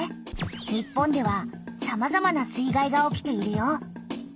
日本ではさまざまな水害が起きているよ。